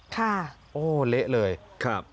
ค่ะโอ้เหละเลยข่ะ